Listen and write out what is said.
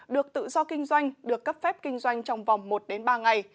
được tự do kinh doanh được cấp phép kinh doanh trong vòng một ba ngày